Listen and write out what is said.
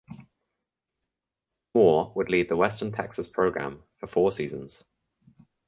Moore would lead the Western Texas program for four seasons.